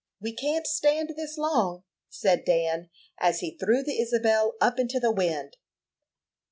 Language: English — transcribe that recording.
We can't stand this long," said Dan, as he threw the Isabel up into the wind.